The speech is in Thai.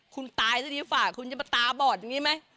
คุณตายซะดีฝ่าคุณจะมาตาบอดอย่างนี้ไหม